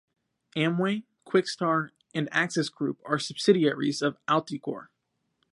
Amway, Quixtar, and Access Group are subsidiaries of Alticor.